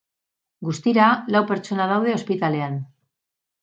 Guztira, lau pertsona daude ospitalean.